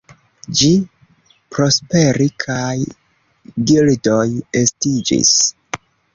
Ĝi prosperis, kaj gildoj estiĝis.